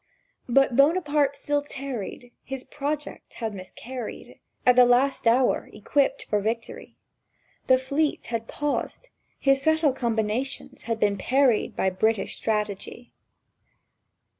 But Buonaparte still tarried; His project had miscarried; At the last hour, equipped for victory, The fleet had paused; his subtle combinations had been parried By British strategy.